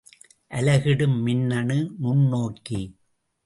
அலகிடும் மின்னணு நுண்ணோக்கி.